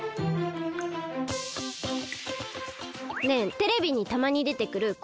ねえテレビにたまにでてくる